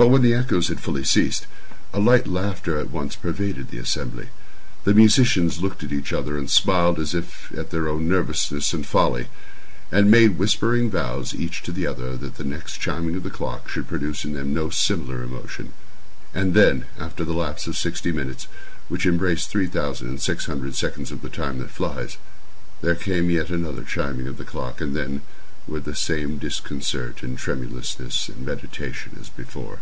But when the echoes had fully ceased, a light laughter at once pervaded the assembly; the musicians looked at each other and smiled as if at their own nervousness and folly, and made whispering vows, each to the other, that the next chiming of the clock should produce in them no similar emotion; and then, after the lapse of sixty minutes (which embrace three thousand and six hundred seconds of the Time that flies), there came yet another chiming of the clock, and then were the same disconcert and tremulousness and meditation as before.